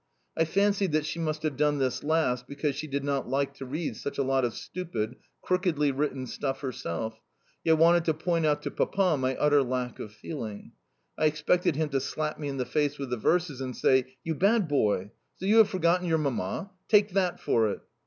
I fancied that she must have done this last because she did not like to read such a lot of stupid, crookedly written stuff herself, yet wanted to point out to Papa my utter lack of feeling. I expected him to slap me in the face with the verses and say, "You bad boy! So you have forgotten your Mamma! Take that for it!"